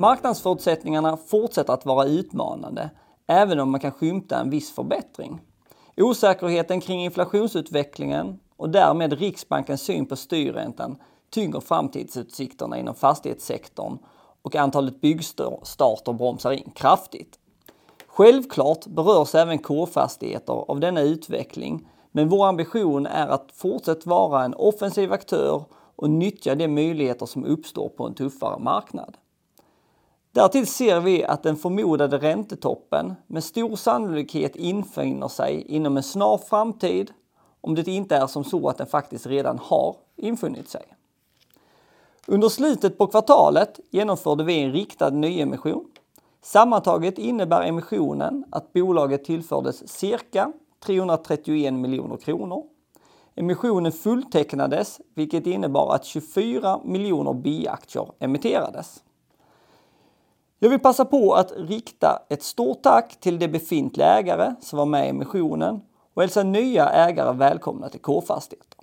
Marknadsförutsättningarna fortsätter att vara utmanande, även om man kan skymta en viss förbättring. Osäkerheten kring inflationsutvecklingen och därmed Riksbankens syn på styrräntan tynger framtidsutsikterna inom fastighetssektorn och antalet byggstarter bromsar in kraftigt. Självklart berörs även K-fastigheter av denna utveckling, men vår ambition är att fortsätta vara en offensiv aktör och nyttja de möjligheter som uppstår på en tuffare marknad. Därtill ser vi att den förmodade räntetoppen med stor sannolikhet infinner sig inom en snar framtid, om det inte är som så att den faktiskt redan har infunnit sig. Under slutet på kvartalet genomförde vi en riktad nyemission. Sammantaget innebär emissionen att bolaget tillfördes cirka 331 miljoner kronor. Emissionen fulltecknades, vilket innebar att 24 miljoner B-aktier emitterades. Jag vill passa på att rikta ett stort tack till de befintliga ägare som var med i emissionen och hälsa nya ägare välkomna till K-fastigheter.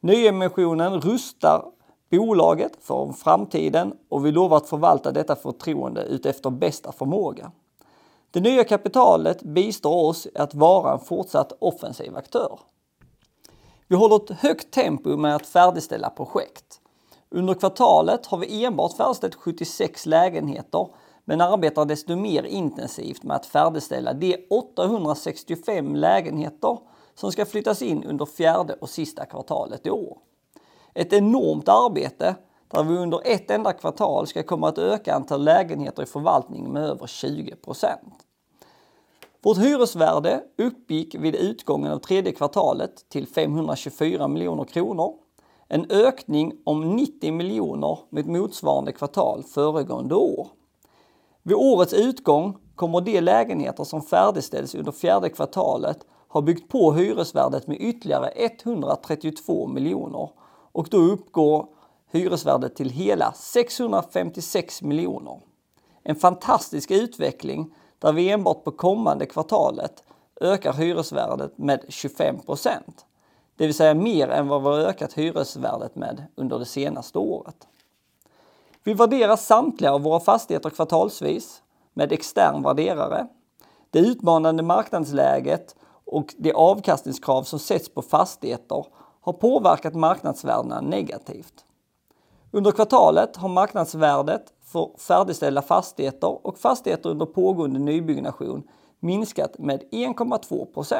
Nyemissionen rustar bolaget för framtiden och vi lovar att förvalta detta förtroende utefter bästa förmåga. Det nya kapitalet bistår oss att vara en fortsatt offensiv aktör. Vi håller ett högt tempo med att färdigställa projekt. Under kvartalet har vi enbart färdigställt 76 lägenheter, men arbetar desto mer intensivt med att färdigställa de 865 lägenheter som ska flyttas in under fjärde och sista kvartalet i år. Ett enormt arbete, där vi under ett enda kvartal ska komma att öka antal lägenheter i förvaltning med över 20%. Vårt hyresvärde uppgick vid utgången av tredje kvartalet till 524 miljoner kronor, en ökning om 90 miljoner med ett motsvarande kvartal föregående år. Vid årets utgång kommer de lägenheter som färdigställs under fjärde kvartalet ha byggt på hyresvärdet med ytterligare 132 miljoner och då uppgår hyresvärdet till hela 656 miljoner. En fantastisk utveckling där vi enbart på kommande kvartalet ökar hyresvärdet med 25%. Det vill säga mer än vad vi har ökat hyresvärdet med under det senaste året. Vi värderar samtliga av våra fastigheter kvartalsvis med extern värderare. Det utmanande marknadsläget och det avkastningskrav som sätts på fastigheter har påverkat marknadsvärdena negativt. Under kvartalet har marknadsvärdet för färdigställda fastigheter och fastigheter under pågående nybyggnation minskat med 1,2%.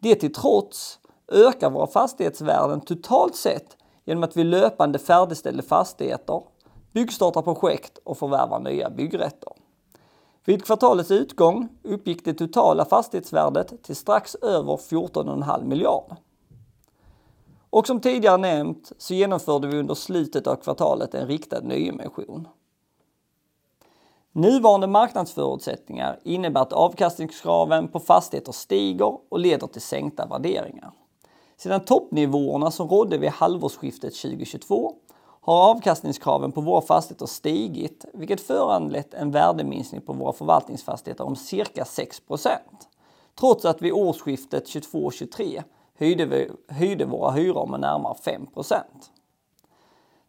Det till trots ökar våra fastighetsvärden totalt sett genom att vi löpande färdigställer fastigheter, byggstartar projekt och förvärvar nya byggrätter. Vid kvartalets utgång uppgick det totala fastighetsvärdet till strax över 14,5 miljarder. Som tidigare nämnt genomförde vi under slutet av kvartalet en riktad nyemission. Nuvarande marknadsförutsättningar innebär att avkastningskraven på fastigheter stiger och leder till sänkta värderingar. Sedan toppnivåerna som rådde vid halvårsskiftet 2022 har avkastningskraven på våra fastigheter stigit, vilket föranlett en värdeminskning på våra förvaltningsfastigheter om cirka 6%. Trots att vi årsskiftet 22, 23 höjde våra hyror med närmare 5%.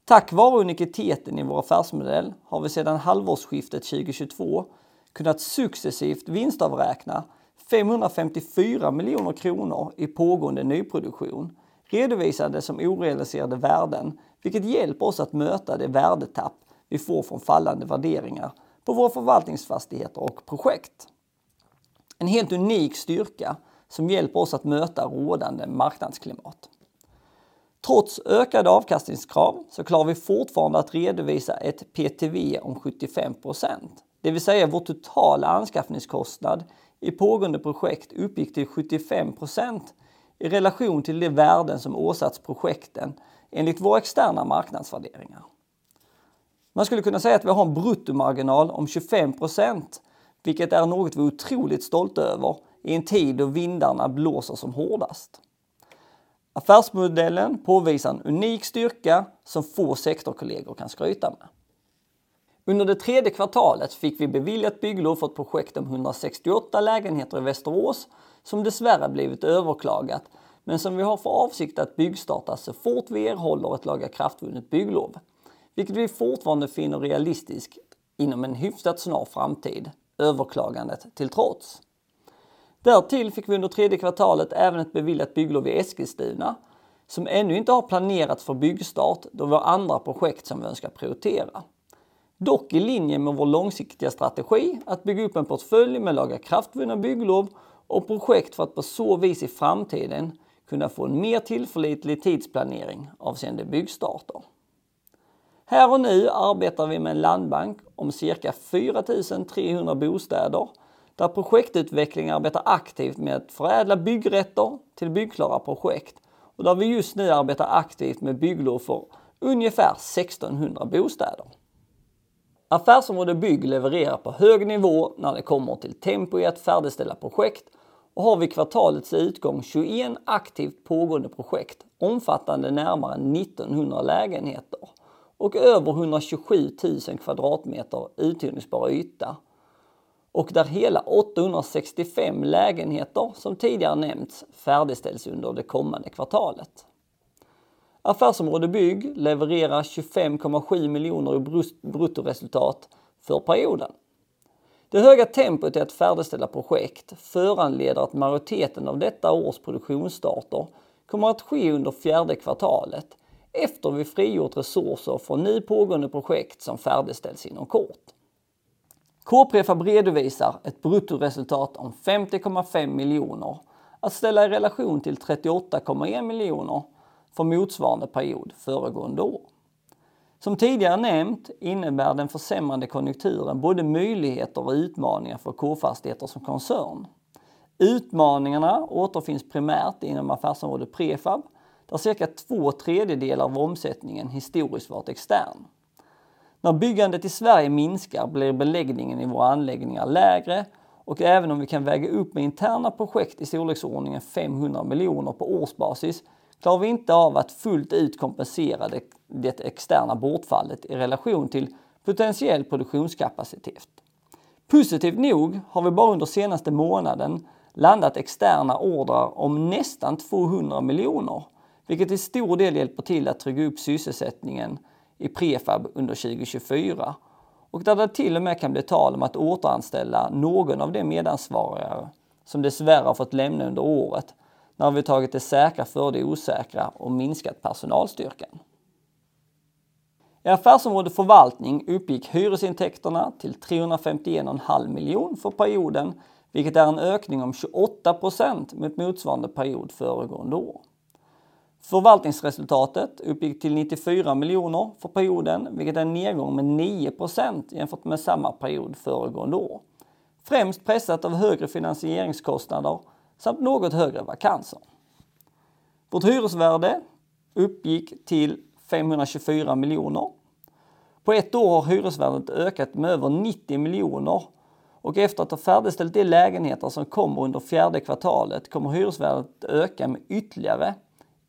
Tack vare uniciteten i vår affärsmodell har vi sedan halvårsskiftet 2022 kunnat successivt vinstavräkna 554 miljoner kronor i pågående nyproduktion, redovisande som orealiserade värden, vilket hjälper oss att möta det värdetapp vi får från fallande värderingar på våra förvaltningsfastigheter och projekt. En helt unik styrka som hjälper oss att möta rådande marknadsklimat. Trots ökade avkastningskrav så klarar vi fortfarande att redovisa ett PTV om 75%. Det vill säga, vårt totala anskaffningskostnad i pågående projekt uppgick till 75% i relation till det värde som åsatts projekten enligt våra externa marknadsvärderingar. Man skulle kunna säga att vi har en bruttomarginal om 25%, vilket är något vi är otroligt stolta över i en tid då vindarna blåser som hårdast. Affärsmodellen påvisar en unik styrka som få sektorkollegor kan skryta med. Under det tredje kvartalet fick vi bevilja ett bygglov för ett projekt om 168 lägenheter i Västerås, som dessvärre blivit överklagat, men som vi har för avsikt att byggstarta så fort vi erhåller ett lagakraftvunnet bygglov, vilket vi fortfarande finner realistiskt inom en hyfsat snar framtid, överklagandet till trots. Därtill fick vi under tredje kvartalet även ett beviljat bygglov i Eskilstuna, som ännu inte har planerats för byggstart, då vi har andra projekt som vi önskar prioritera. Dock i linje med vår långsiktiga strategi, att bygga upp en portfölj med lagakraftvunna bygglov och projekt för att på så vis i framtiden kunna få en mer tillförlitlig tidsplanering avseende byggstarter. Här och nu arbetar vi med en landbank om cirka 4 300 bostäder, där projektutveckling arbetar aktivt med att förädla byggrätter till byggklara projekt och där vi just nu arbetar aktivt med bygglov för ungefär 1 600 bostäder. Affärsområde Bygg levererar på hög nivå när det kommer till tempo i att färdigställa projekt och har vid kvartalets utgång tjugoett aktivt pågående projekt, omfattande närmare nittonhundra lägenheter. Över hundratjugosjutusen kvadratmeter uthyrningsbar yta och där hela åttahundrasextiofem lägenheter som tidigare nämnts, färdigställs under det kommande kvartalet. Affärsområde Bygg levererar 25,7 miljoner i bruttoresultat för perioden. Det höga tempot i att färdigställa projekt föranleder att majoriteten av detta års produktionsstarter kommer att ske under fjärde kvartalet, efter vi frigjort resurser från nu pågående projekt som färdigställs inom kort. K-Prefab redovisar ett bruttoresultat om 50,5 miljoner att ställa i relation till 38,1 miljoner för motsvarande period föregående år. Som tidigare nämnt, innebär den försämrande konjunkturen både möjligheter och utmaningar för K-fastigheter som koncern. Utmaningarna återfinns primärt inom affärsområdet Prefab, där cirka två tredjedelar av omsättningen historiskt varit extern. När byggandet i Sverige minskar blir beläggningen i våra anläggningar lägre, och även om vi kan väga upp med interna projekt i storleksordningen 500 miljoner kronor på årsbasis, klarar vi inte av att fullt ut kompensera det externa bortfallet i relation till potentiell produktionskapacitet. Positivt nog har vi bara under senaste månaden landat externa ordrar om nästan 200 miljoner kronor, vilket i stor del hjälper till att trygga upp sysselsättningen i Prefab under 2024. Där det till och med kan bli tal om att återanställa någon av de medarbetare som dessvärre har fått lämna under året, när vi tagit det säkra för det osäkra och minskat personalstyrkan. I affärsområde förvaltning uppgick hyresintäkterna till 351,5 miljoner kronor för perioden, vilket är en ökning om 28% jämfört med motsvarande period föregående år. Förvaltningsresultatet uppgick till 94 miljoner för perioden, vilket är en nedgång med 9% jämfört med samma period föregående år. Främst pressat av högre finansieringskostnader samt något högre vakanser. Vårt hyresvärde uppgick till 524 miljoner. På ett år har hyresvärdet ökat med över 90 miljoner och efter att ha färdigställt de lägenheter som kommer under fjärde kvartalet kommer hyresvärdet att öka med ytterligare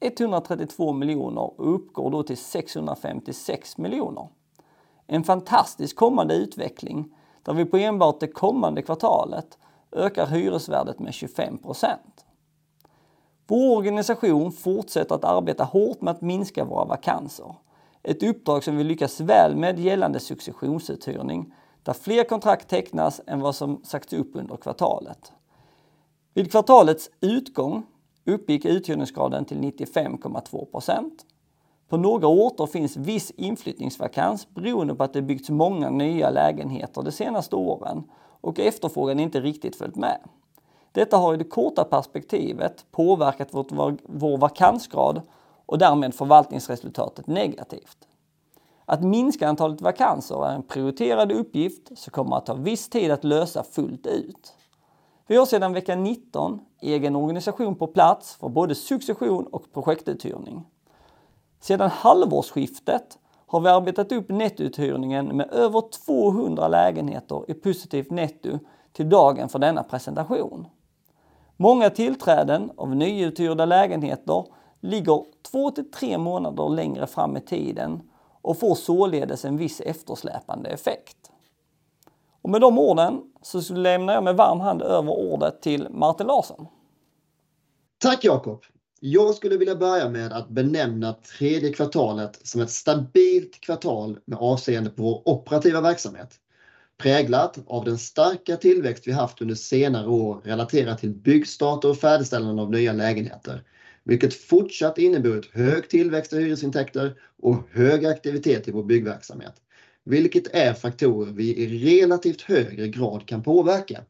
132 miljoner och uppgår då till 656 miljoner. En fantastisk kommande utveckling, där vi på enbart det kommande kvartalet ökar hyresvärdet med 25%. Vår organisation fortsätter att arbeta hårt med att minska våra vakanser. Ett uppdrag som vi lyckas väl med gällande successionsuthyrning, där fler kontrakt tecknas än vad som sagts upp under kvartalet. Vid kvartalets utgång uppgick uthyrningsgraden till 95,2%. På några orter finns viss inflyttningsvakans, beroende på att det byggts många nya lägenheter de senaste åren och efterfrågan inte riktigt följt med. Detta har i det korta perspektivet påverkat vår vakansgrad och därmed förvaltningsresultatet negativt. Att minska antalet vakanser är en prioriterad uppgift som kommer att ta viss tid att lösa fullt ut. Vi har sedan vecka nitton egen organisation på plats för både succession och projektuthyrning. Sedan halvårsskiftet har vi arbetat upp nettouthyrningen med över 200 lägenheter i positiv netto till dagen för denna presentation. Många tillträden av nyuthyrda lägenheter ligger två till tre månader längre fram i tiden och får således en viss eftersläpande effekt. Med de orden så lämnar jag med varm hand över ordet till Martin Larsson. Tack Jakob! Jag skulle vilja börja med att benämna tredje kvartalet som ett stabilt kvartal med avseende på vår operativa verksamhet. Präglat av den starka tillväxt vi haft under senare år, relaterat till byggstarter och färdigställande av nya lägenheter, vilket fortsatt inneburit hög tillväxt och hyresintäkter och hög aktivitet i vår byggverksamhet, vilket är faktorer vi i relativt högre grad kan påverka.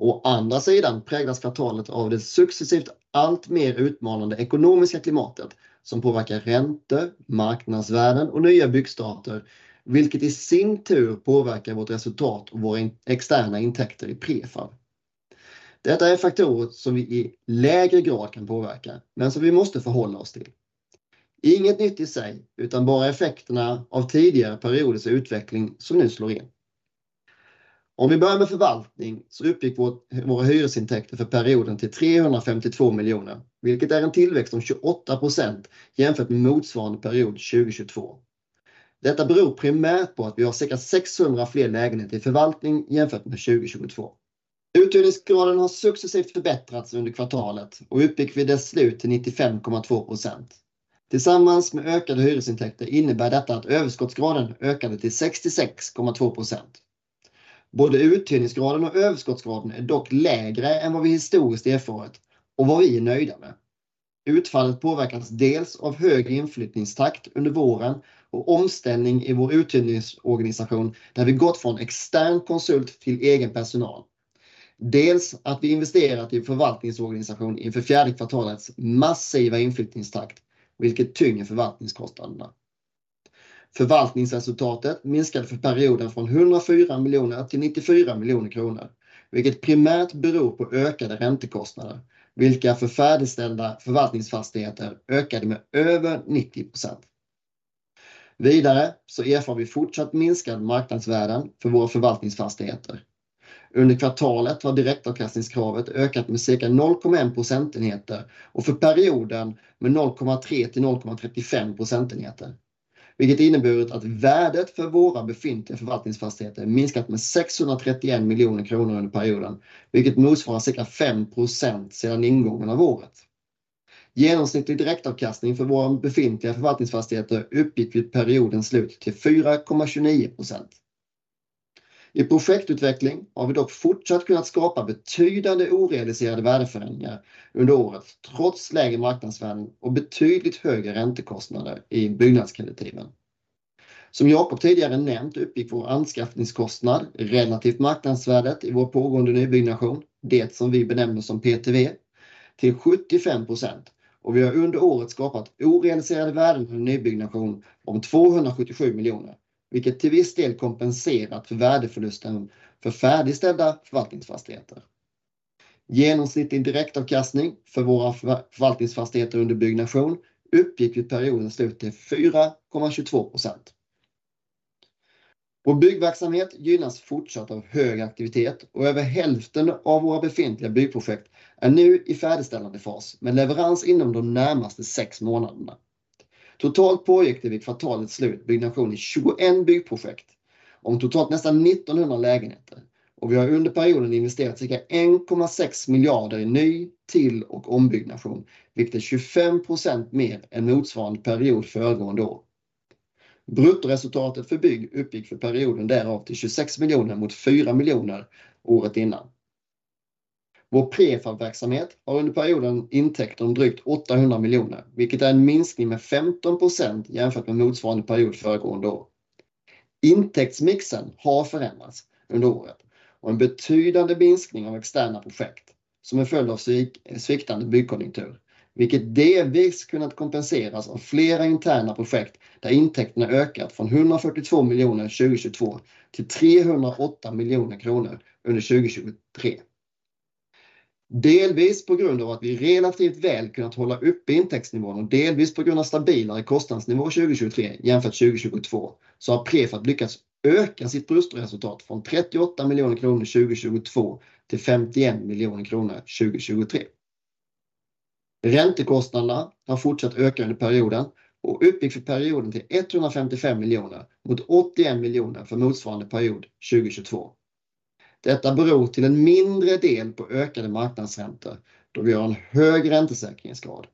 Å andra sidan präglas kvartalet av det successivt allt mer utmanande ekonomiska klimatet, som påverkar räntor, marknadsvärden och nya byggstarter, vilket i sin tur påverkar vårt resultat och våra externa intäkter i Prefab. Detta är faktorer som vi i lägre grad kan påverka, men som vi måste förhålla oss till. Inget nytt i sig, utan bara effekterna av tidigare periodisk utveckling som nu slår in. Om vi börjar med förvaltning så uppgick vårt, våra hyresintäkter för perioden till 352 miljoner, vilket är en tillväxt om 28% jämfört med motsvarande period 2022. Detta beror primärt på att vi har cirka 600 fler lägenheter i förvaltning jämfört med 2022. Uthyrningsgraden har successivt förbättrats under kvartalet och uppgick vid dess slut till 95,2%. Tillsammans med ökade hyresintäkter innebär detta att överskottsgraden ökade till 66,2%. Både uthyrningsgraden och överskottsgraden är dock lägre än vad vi historiskt erfarit och vad vi är nöjda med. Utfallet påverkas dels av hög inflyttningstakt under våren och omställning i vår uthyrningsorganisation, där vi gått från extern konsult till egen personal. Dels att vi investerat i en förvaltningsorganisation inför fjärde kvartalets massiva inflyttningstakt, vilket tynger förvaltningskostnaderna. Förvaltningsresultatet minskade för perioden från 104 miljoner till 94 miljoner kronor, vilket primärt beror på ökade räntekostnader, vilka för färdigställda förvaltningsfastigheter ökade med över 90%. Vidare så erfar vi fortsatt minskade marknadsvärden för våra förvaltningsfastigheter. Under kvartalet har direktavkastningskravet ökat med cirka 0,1 procentenheter och för perioden med 0,3 till 0,35 procentenheter, vilket innebär att värdet för våra befintliga förvaltningsfastigheter minskat med 631 miljoner kronor under perioden, vilket motsvarar cirka 5% sedan ingången av året. Genomsnittlig direktavkastning för våra befintliga förvaltningsfastigheter uppgick vid periodens slut till 4,29%. I projektutveckling har vi dock fortsatt kunnat skapa betydande orealiserade värdeförändringar under året, trots lägre marknadsvärdering och betydligt högre räntekostnader i byggnadskreditiven. Som Jakob tidigare nämnt, uppgick vår anskaffningskostnad relativt marknadsvärdet i vår pågående nybyggnation, det som vi benämner som PTV, till 75% och vi har under året skapat orealiserade värden för nybyggnation om 277 miljoner, vilket till viss del kompenserat för värdeförlusten för färdigställda förvaltningsfastigheter. Genomsnittlig direktavkastning för våra förvaltningsfastigheter under byggnation uppgick vid periodens slut till 4,22%. Vår byggverksamhet gynnas fortsatt av hög aktivitet och över hälften av våra befintliga byggprojekt är nu i färdigställande fas med leverans inom de närmaste sex månaderna. Totalt pågick det vid kvartalets slut byggnation i tjugoett byggprojekt om totalt nästan 1 900 lägenheter. Vi har under perioden investerat cirka 1,6 miljarder i ny-, till- och ombyggnation, vilket är 25% mer än motsvarande period föregående år. Bruttoresultatet för bygg uppgick för perioden därav till 26 miljoner mot 4 miljoner året innan. Vår prefabverksamhet har under perioden intäkter om drygt 800 miljoner, vilket är en minskning med 15% jämfört med motsvarande period föregående år. Intäktsmixen har förändrats under året och en betydande minskning av externa projekt som är följd av sviktande byggkonjunktur, vilket delvis kunnat kompenseras av flera interna projekt där intäkterna ökat från 142 miljoner 2022 till 308 miljoner kronor under 2023. Delvis på grund av att vi relativt väl kunnat hålla uppe intäktsnivån och delvis på grund av stabilare kostnadsnivå 2023 jämfört 2022, så har Prefab lyckats öka sitt bruttoresultat från 38 miljoner kronor 2022 till 51 miljoner kronor 2023. Räntekostnaderna har fortsatt öka under perioden och uppgick för perioden till 155 miljoner mot 81 miljoner för motsvarande period 2022. Detta beror till en mindre del på ökade marknadsräntor, då vi har en hög räntesäkringsgrad,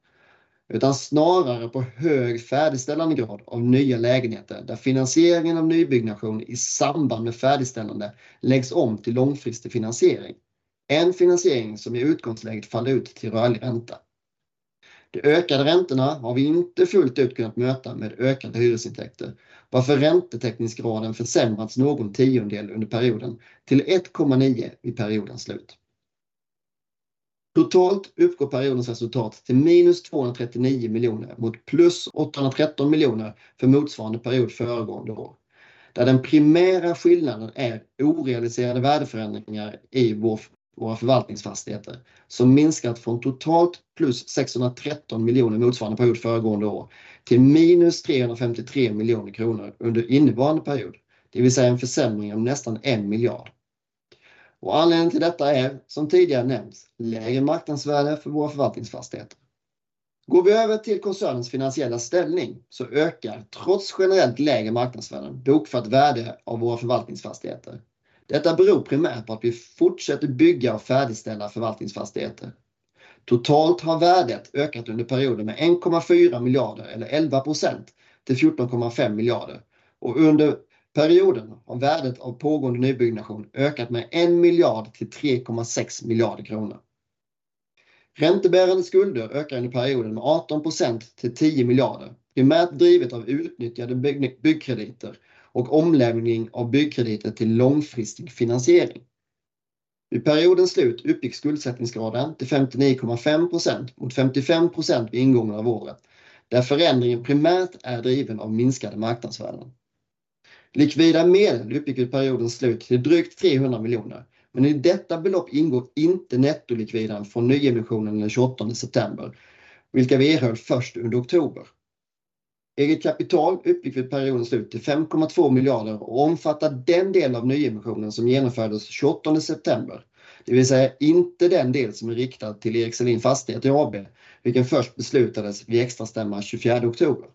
utan snarare på hög färdigställandegrad av nya lägenheter, där finansieringen av nybyggnation i samband med färdigställande läggs om till långfristig finansiering. En finansiering som i utgångsläget faller ut till rörlig ränta. De ökade räntorna har vi inte fullt ut kunnat möta med ökande hyresintäkter, varför räntetäckningsgraden försämrats någon tiondel under perioden till 1,9 vid periodens slut. Totalt uppgår periodens resultat till minus 239 miljoner mot plus 813 miljoner för motsvarande period föregående år. Där den primära skillnaden är orealiserade värdeförändringar i våra förvaltningsfastigheter, som minskat från totalt plus 613 miljoner motsvarande period föregående år till minus 353 miljoner kronor under innevarande period, det vill säga en försämring om nästan en miljard. Anledningen till detta är, som tidigare nämnt, lägre marknadsvärde för våra förvaltningsfastigheter. Går vi över till koncernens finansiella ställning så ökar, trots generellt lägre marknadsvärden, bokfört värde av våra förvaltningsfastigheter. Detta beror primärt på att vi fortsätter bygga och färdigställa förvaltningsfastigheter. Totalt har värdet ökat under perioden med 1,4 miljarder eller 11% till 14,5 miljarder och under perioden har värdet av pågående nybyggnation ökat med en miljard till 3,6 miljarder kronor. Räntebärande skulder ökar under perioden med 18% till tio miljarder, primärt drivet av utnyttjade byggkrediter och omläggning av byggkrediter till långfristig finansiering. Vid periodens slut uppgick skuldsättningsgraden till 59,5% mot 55% vid ingången av året, där förändringen primärt är driven av minskade marknadsvärden. Likvida medel uppgick vid periodens slut till drygt 300 miljoner, men i detta belopp ingår inte nettolikviden från nyemissionen den 28 september, vilka vi erhöll först under oktober. Eget kapital uppgick vid periodens slut till 5,2 miljarder och omfattar den delen av nyemissionen som genomfördes 28 september. Det vill säga, inte den del som är riktad till Eric Selin Fastighet AB, vilken först beslutades vid extra stämma 24 oktober.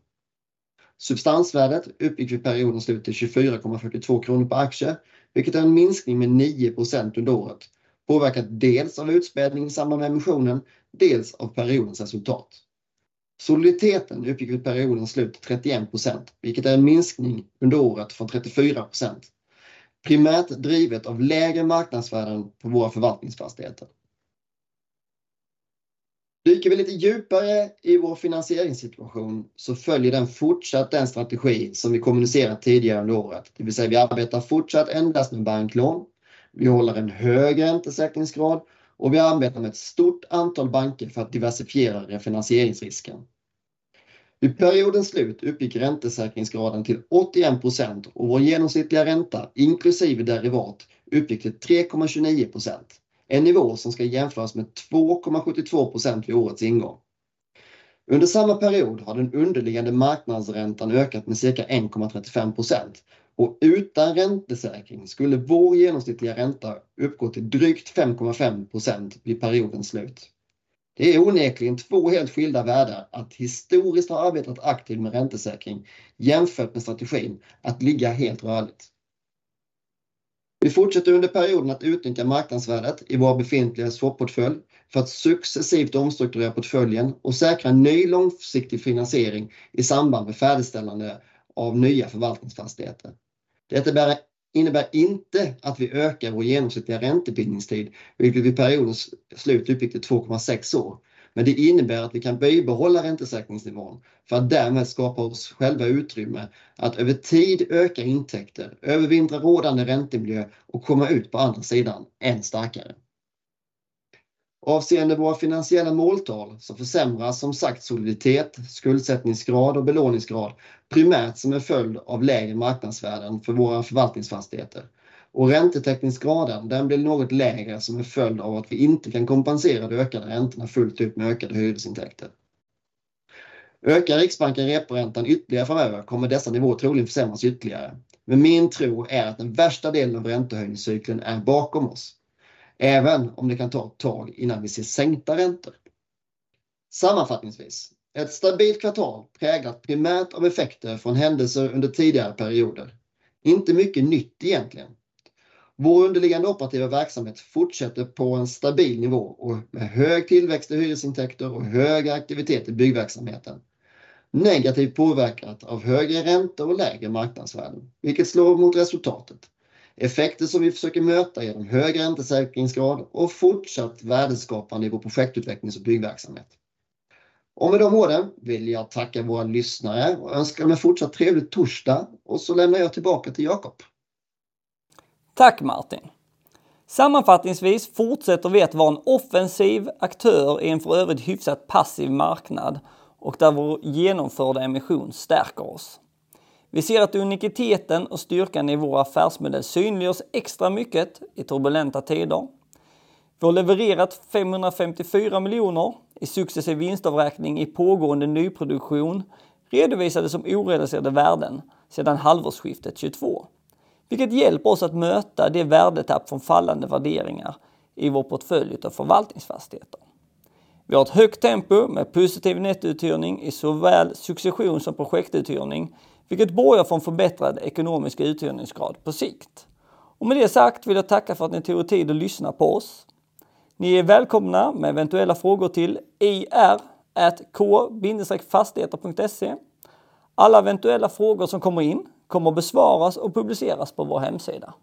Substansvärdet uppgick vid periodens slut till 24,42 kronor per aktie, vilket är en minskning med 9% under året, påverkat dels av utspädning i samband med emissionen, dels av periodens resultat. Soliditeten uppgick vid periodens slut till 31%, vilket är en minskning under året från 34%, primärt drivet av lägre marknadsvärden på våra förvaltningsfastigheter. Dyker vi lite djupare i vår finansieringssituation så följer den fortsatt den strategi som vi kommunicerat tidigare under året. Det vill säga, vi arbetar fortsatt endast med banklån. Vi håller en hög räntesäkringsgrad och vi arbetar med ett stort antal banker för att diversifiera refinansieringsrisken. Vid periodens slut uppgick räntesäkringsgraden till 81% och vår genomsnittliga ränta, inklusive derivat, uppgick till 3,29%. En nivå som ska jämföras med 2,72% vid årets ingång. Under samma period har den underliggande marknadsräntan ökat med cirka 1,35% och utan räntesäkring skulle vår genomsnittliga ränta uppgå till drygt 5,5% vid periodens slut. Det är onekligen två helt skilda världar att historiskt ha arbetat aktivt med räntesäkring, jämfört med strategin att ligga helt rörligt. Vi fortsätter under perioden att utnyttja marknadsvärdet i vår befintliga swap-portfölj för att successivt omstrukturera portföljen och säkra ny långsiktig finansiering i samband med färdigställande av nya förvaltningsfastigheter. Detta innebär inte att vi ökar vår genomsnittliga räntebindningstid, vilket vid periodens slut uppgick till 2,6 år. Men det innebär att vi kan bibehålla räntesäkringsnivån för att därmed skapa oss själva utrymme att över tid öka intäkter, övervintra rådande räntemiljö och komma ut på andra sidan än starkare. Avseende våra finansiella måltal, så försämras som sagt soliditet, skuldsättningsgrad och belåningsgrad, primärt som en följd av lägre marknadsvärden för våra förvaltningsfastigheter. Räntetäckningsgraden blir något lägre som en följd av att vi inte kan kompensera de ökade räntorna fullt ut med ökade hyresintäkter. Ökar Riksbanken reporäntan ytterligare framöver kommer dessa nivåer troligen försämras ytterligare. Men min tro är att den värsta delen av räntehöjningscykeln är bakom oss, även om det kan ta ett tag innan vi ser sänkta räntor. Sammanfattningsvis, ett stabilt kvartal präglat primärt av effekter från händelser under tidigare perioder. Inte mycket nytt egentligen. Vår underliggande operativa verksamhet fortsätter på en stabil nivå och med hög tillväxt i hyresintäkter och hög aktivitet i byggverksamheten. Negativt påverkat av högre räntor och lägre marknadsvärden, vilket slår mot resultatet. Effekter som vi försöker möta igenom högre räntesäkringsgrad och fortsatt värdeskapande i vår projektutvecklings- och byggverksamhet. Och med det sagt vill jag tacka våra lyssnare och önska en fortsatt trevlig torsdag och så lämnar jag tillbaka till Jakob. Tack Martin! Sammanfattningsvis fortsätter vi att vara en offensiv aktör i en för övrigt hyfsat passiv marknad och där vår genomförda emission stärker oss. Vi ser att unikiteten och styrkan i vår affärsmodell synliggörs extra mycket i turbulenta tider. Vi har levererat 554 miljoner i successiv vinstavräkning i pågående nyproduktion, redovisade som orealiserade värden sedan halvårsskiftet 2022, vilket hjälper oss att möta det värdetapp från fallande värderingar i vår portfölj av förvaltningsfastigheter. Vi har ett högt tempo med positiv nettouthyrning i såväl succession som projektuthyrning, vilket borgar för en förbättrad ekonomisk uthyrningsgrad på sikt. Med det sagt vill jag tacka för att ni tog er tid att lyssna på oss. Ni är välkomna med eventuella frågor till ir@k-fastigheter.se. Alla eventuella frågor som kommer in kommer att besvaras och publiceras på vår hemsida.